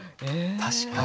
確かに。